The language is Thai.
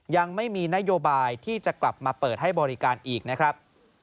ยังไม่มีนโยบายที่จะกลับมาเปิดให้บริการอีกนะครับ